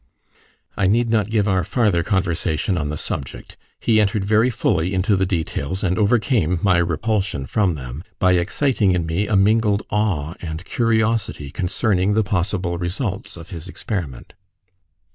I need not give our farther conversation on the subject. He entered very fully into the details, and overcame my repulsion from them, by exciting in me a mingled awe and curiosity concerning the possible results of his experiment.